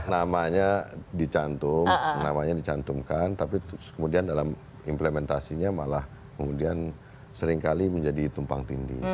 namanya dicantum namanya dicantumkan tapi kemudian dalam implementasinya malah kemudian seringkali menjadi tumpang tindih